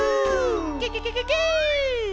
ケケケケケ。